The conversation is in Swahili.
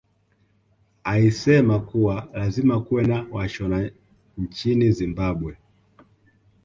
Aisema kuwa lazima kuwe na washona nchini Zimbabwe